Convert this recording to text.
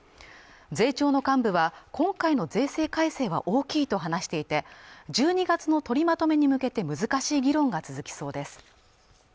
税調の幹部は今回の税制改正は大きいと話していて１２月の取りまとめに向けて難しい議論が続きそうです